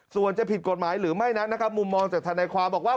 ส่วนจะผิดกฎหมายหรือไม่นั้นนะครับมุมมองจากธนายความบอกว่า